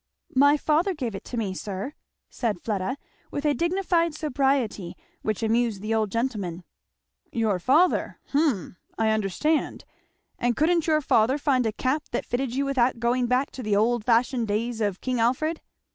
"My father gave it to me, sir," said Fleda, with a dignified sobriety which amused the old gentleman. "Your father! Hum I understand. And couldn't your father find a cap that fitted you without going back to the old fashioned days of King Alfred?"